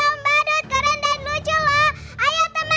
adrian grok idea apa sih